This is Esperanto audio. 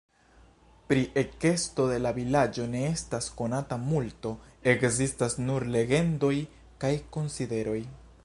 Pri ekesto de la vilaĝo ne estas konata multo, ekzistas nur legendoj kaj konsideroj.